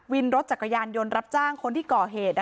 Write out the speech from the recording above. วินรถจักรยานยนต์รับจ้างคนที่ก่อเหตุ